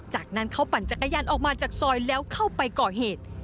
จากนั้นเขาปั่นจักรยานออกมาจากซอยแล้วเข้าไปก่อเหตุ